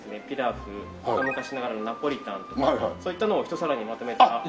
ピラフ昔ながらのナポリタンとかそういったのをひと皿にまとめた。